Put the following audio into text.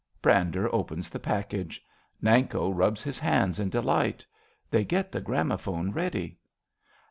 (Brander opens the package. Nanko rubs his hands in delight. They get the gramophone ready.)